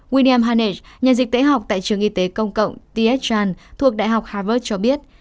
william hanech nhà dịch tế học tại trường y tế công cộng t s chan thuộc đại học harvard cho biết